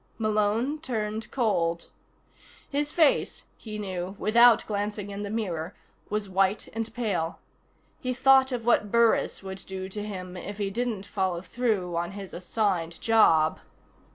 Malone turned cold. His face, he knew without glancing in the mirror, was white and pale. He thought of what Burris would do to him if he didn't follow through on his assigned job.